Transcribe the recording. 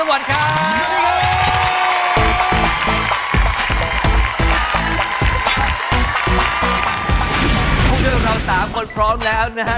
พ่อเจ้าเรา๓คนพร้อมแล้วนะฮะ